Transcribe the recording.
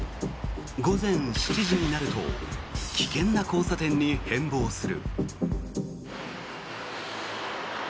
午前７時になると危険な交差点に変ぼうする。